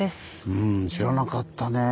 うん知らなかったねえ。